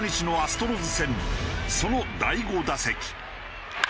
その第５打席。